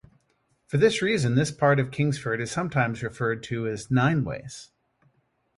For this reason, this part of Kingsford is sometimes referred to as "nine-ways".